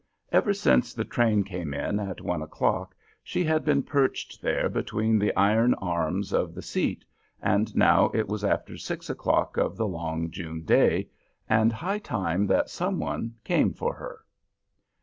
Ever since the train came in at one o'clock she had been perched there between the iron arms of the seat, and now it was after six o'clock of the long June day, and high time that some one came for her.